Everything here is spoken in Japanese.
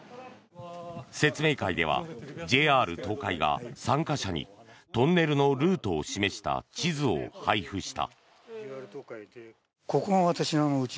説明会ではＪＲ東海が参加者にトンネルのルートを示した地図を配布した。